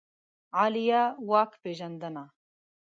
عالیه واک پېژندنه